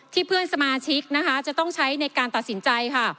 ที่เพื่อนสมาชิกจะต้องใช้ในการตัดสินใจ